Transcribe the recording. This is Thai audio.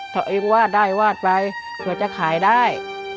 ถ้าเองวาดได้วาดไปเผื่อจะขายได้